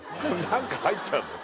何か入っちゃうんだよ